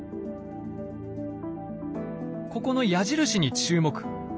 ここの矢印に注目。